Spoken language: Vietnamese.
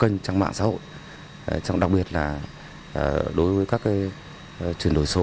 trong kênh trong mạng xã hội trong đặc biệt là đối với các truyền đổi số